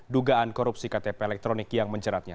dugaan korupsi ktp elektronik yang menjeratnya